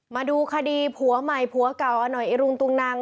มาดูคดีผัวใหม่ผัวเก่าหน่อยไอรุงตุงนัง